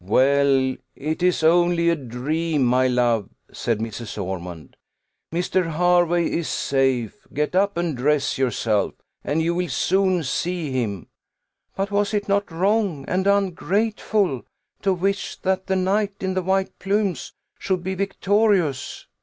"Well, it is only a dream, my love," said Mrs. Ormond; "Mr. Hervey is safe: get up and dress yourself, and you will soon see him." "But was it not wrong and ungrateful to wish that the knight in the white plumes should be victorious?"